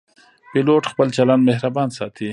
پیلوټ خپل چلند مهربان ساتي.